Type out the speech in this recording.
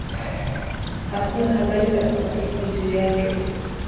Hakuna habari za uhakika juu yake.